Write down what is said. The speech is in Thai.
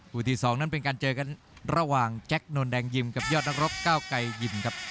ที่๒นั้นเป็นการเจอกันระหว่างแจ๊คนนแดงยิมกับยอดนักรบก้าวไก่ยิมครับ